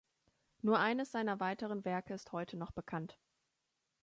Nur eines seiner weiteren Werke ist heute noch bekannt.